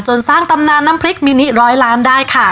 สร้างตำนานน้ำพริกมินิร้อยล้านได้ค่ะ